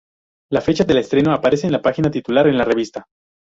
La fecha del estreno aparece en la página titular en la revista.